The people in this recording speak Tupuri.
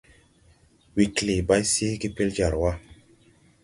Wee klee bay seege pel jar wa.